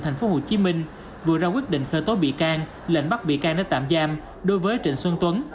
thành phố hồ chí minh vừa ra quyết định khơi tối bị can lệnh bắt bị can đến tạm giam đối với trịnh xuân tuấn